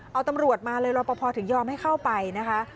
เอาตำรวจมาเลยรอปภถึงยอมให้เข้าไปนะคะ